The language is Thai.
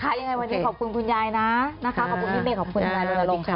ค่ะนะคะยังไงวันนี้ขอบคุณคุณยายนะนะค่ะขอบคุณพี่เบรคขอบคุณคุณยายรุญลงค์